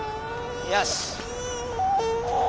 よし。